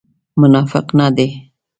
منافق نه دی.